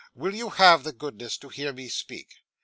Will you have the goodness to hear me speak?